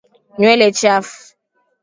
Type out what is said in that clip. Nyewe chafu